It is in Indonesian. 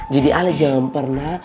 jadi om jangan pernah